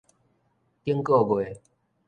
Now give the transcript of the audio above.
頂個月